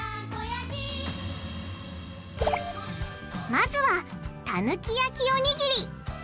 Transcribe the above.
まずはたぬき焼きおにぎり。